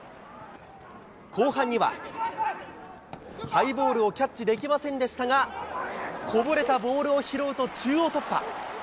後半には、ハイボールをキャッチできませんでしたが、こぼれたボールを拾うと中央突破。